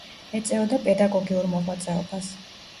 ეწეოდა პედაგოგიურ მოღვაწეობას.